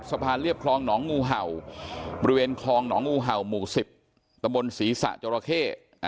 เรียบคลองหนองงูเห่าบริเวณคลองหนองงูเห่าหมู่๑๐ตะบนศรีษะจราเข้